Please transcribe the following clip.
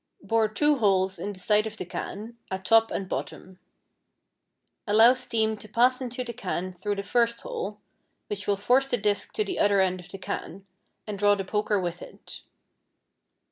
Bore two holes in the sides of the can, at top and bottom. Allow steam to pass into the can through the first hole, which will force the disc to the other end of the can, and draw the poker with it.